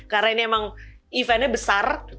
karena ini emang eventnya besar